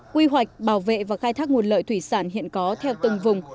quy hoạch bảo vệ và khai thác nguồn lợi thủy sản hiện có theo từng vùng